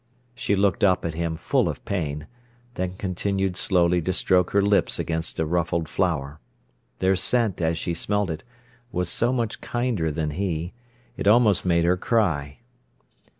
She looked up at him full of pain, then continued slowly to stroke her lips against a ruffled flower. Their scent, as she smelled it, was so much kinder than he; it almost made her cry.